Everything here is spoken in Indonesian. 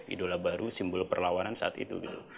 idola baru simbol perlawanan saat itu gitu